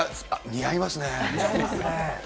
似合いますね。